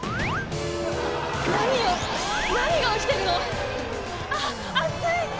何よ何が起きてるの⁉ああっ！